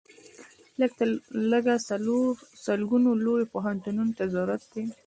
لږ تر لږه سلګونو لویو پوهنتونونو ته ضرورت دی.